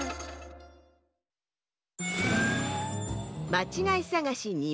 まちがいさがし２